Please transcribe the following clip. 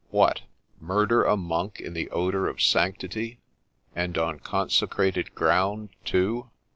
What ! murder a monk in the odour of sanctity, — and on consecrated ground too